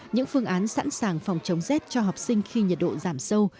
những phương án sẵn sàng phòng chống rét cho học sinh khi nhiệt độ giảm sâu